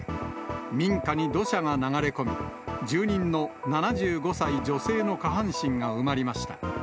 民家に土砂が流れ込み、住人の７５歳女性の下半身が埋まりました。